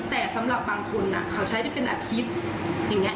แต่สำหรับบางคนเขาใช้ได้เป็นอาทิตย์อย่างนี้